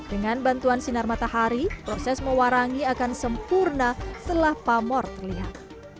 dengan bantuan sinar matahari proses mewarangi akan sempurna setelah pamor terlihat